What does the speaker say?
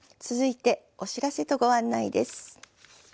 続いてお知らせとご案内です。